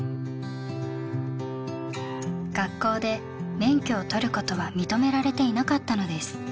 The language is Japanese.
学校で免許を取ることは認められていなかったのです。